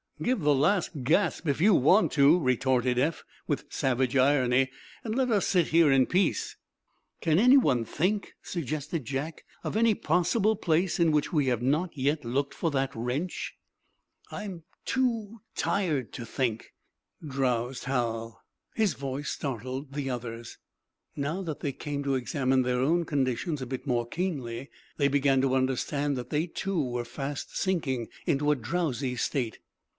"Give the last gasp, if you want to," retorted Eph, with savage irony, "and let us sit here in peace." "Can anyone think," suggested Jack, "of any possible place in which we have not yet looked for that wrench?" "I'm too tired to think," drowsed Hal. His voice startled the others. Now, that they came to examine their own conditions a bit more keenly, they began to understand that they, too, were fast sinking into a drowsy state.